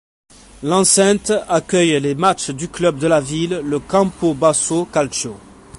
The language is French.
L'enceinte accueille les matchs du club de la ville, le Campobasso Calcio.